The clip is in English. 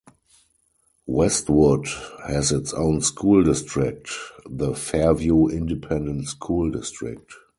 Westwood has its own school district, the Fairview Independent School District.